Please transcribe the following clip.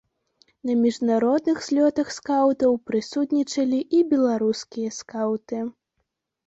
На міжнародных злётах скаўтаў прысутнічалі і беларускія скаўты.